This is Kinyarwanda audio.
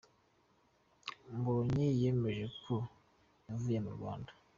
Mbonyi yemeje ko yavuye mu Rwanda.